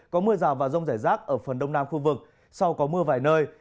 có mưa rào và rông rải rác ở phần đông nam khu vực sau có mưa vài nơi